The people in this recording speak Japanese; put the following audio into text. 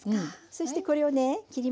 そしてこれをね切りますね。